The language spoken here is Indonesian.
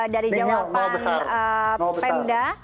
dari jawaban penda